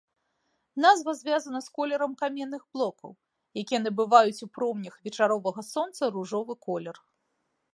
Назва звязана з колерам каменных блокаў, якія набываюць ў промнях вечаровага сонца ружовы колер.